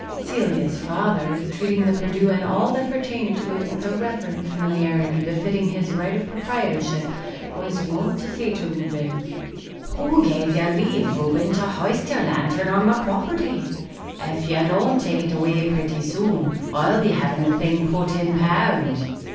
Celia's father, treating the Perdu and all that pertained to it with a reverent familiarity befitting his right of proprietorship, was wont to say to Reuben, "Who gave you leave, Reuben, to hoist your lantern on my property? If you don't take it away pretty soon, I'll be having the thing put in pound."